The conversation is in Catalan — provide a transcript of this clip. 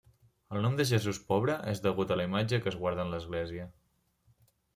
El nom de Jesús Pobre és degut a la imatge que es guarda en l'església.